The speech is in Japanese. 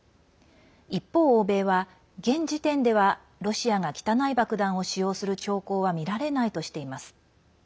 一方、欧米は現時点ではロシアが汚い爆弾を使用する兆候は見られないとしています。